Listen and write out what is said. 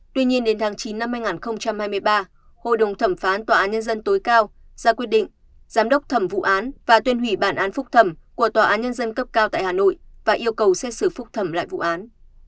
tuy nhiên đến tháng chín năm hai nghìn hai mươi ba hội đồng thẩm phán tòa án nhân dân tối cao ra quyết định giám đốc thẩm vụ án và tuyên hủy bản án phúc thẩm của tòa án nhân dân cấp cao tại hà nội và yêu cầu xét xử phúc thẩm lại vụ án